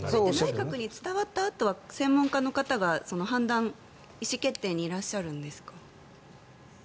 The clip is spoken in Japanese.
内閣に伝わったあとは専門家の方が、意思決定にいらっしゃるんですか？